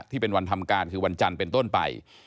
ที่เป็นวันทำการคือวันจันทร์เป็นต้นไป